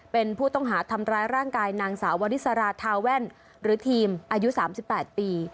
เป็นผู้ต้องหาทำร้ายร่างกายนางสาววริสราทาแว่นหรือทีมอายุ๓๘ปี